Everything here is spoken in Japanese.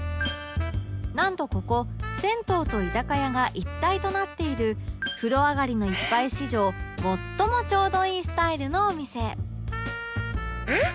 なんとここ銭湯と居酒屋が一体となっている風呂上がりの一杯史上最もちょうどいいスタイルのお店えっ！